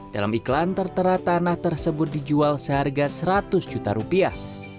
dalam iklan tertera tanah tersebut dijual seharga seratus juta rupiah